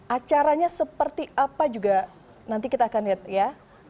acaranya seperti apa juga nanti kita akan lihat ya